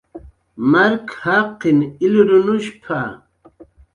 "Mark jaqin ilrunushp""a"